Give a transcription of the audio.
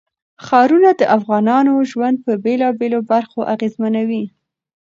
ښارونه د افغانانو ژوند په بېلابېلو برخو اغېزمنوي.